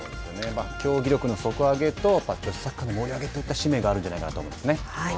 競技力の底上げとサッカーの盛り上げといった使命があるのではないかと思いますね。